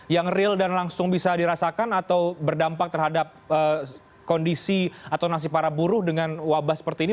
yang real dan langsung bisa dirasakan atau berdampak terhadap kondisi atau nasib para buruh dengan wabah seperti ini